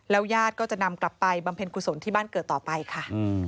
ญาติก็จะนำกลับไปบำเพ็ญกุศลที่บ้านเกิดต่อไปค่ะ